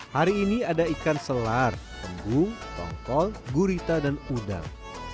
hari ini ada ikan selar embung tongkol gurita dan udang